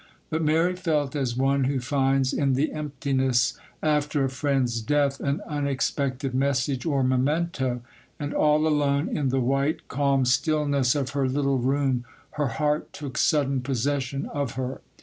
But Mary felt as one who finds, in the emptiness after a friend's death, an unexpected message or memento; and all alone in the white, calm stillness of her little room her heart took sudden possession of her.